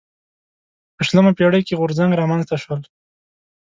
په شلمه پېړۍ کې غورځنګ رامنځته شول.